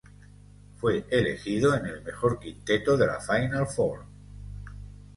Fue elegido en el mejor quinteto de la Final Four.